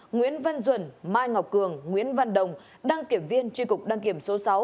nguyễn văn duẩn mai ngọc cường nguyễn văn đồng đăng kiểm viên tri cục đăng kiểm số sáu